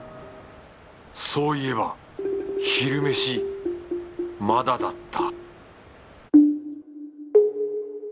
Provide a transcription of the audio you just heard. そういえば昼飯まだだった